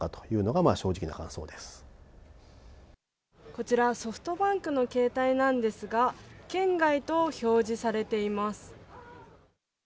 こちら、ソフトバンクの携帯なんですが、圏外と表示されています。